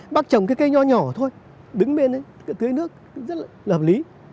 bác trồng cây nhỏ nhỏ thôi đứng bên đấy tưới nước rất là lợp lý